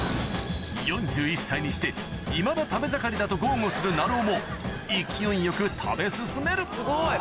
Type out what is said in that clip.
４１歳にしていまだ食べ盛りだと豪語するなるおも勢いよく食べ進めるすごい。